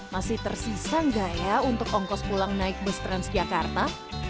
masih tersisa nggak ya untuk ongkos pulang naik bus transjakarta